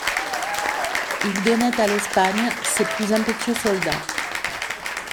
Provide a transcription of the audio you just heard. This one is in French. Ils donnaient à l'Espagne ses plus impétueux soldats.